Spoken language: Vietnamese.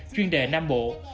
chuyên đề nam bộ